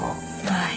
はい。